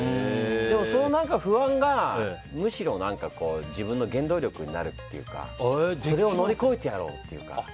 その不安が、むしろ自分の原動力になるというかそれを乗り越えてやろうと。